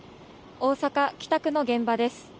大阪・北区の現場です。